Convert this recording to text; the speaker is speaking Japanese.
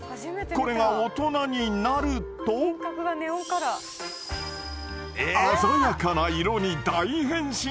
これが大人になると鮮やかな色に大変身！